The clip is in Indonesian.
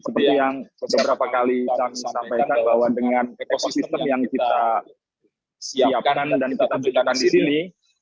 seperti yang beberapa kali saya sampaikan bahwa dengan ekosistem yang kita siapkan dan kita berikan di sini